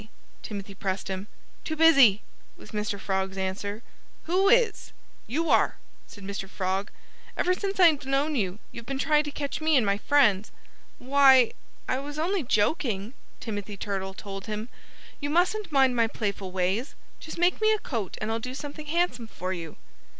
Timothy pressed him. "Too busy!" was Mr. Frog's answer. "Who is?" "You are!" said Mr. Frog. "Ever since I've known you, you've been trying to catch me and my friends." "Why er I was only joking," Timothy Turtle told him. "You mustn't mind my playful ways. Just make me a coat and I'll do something handsome for you."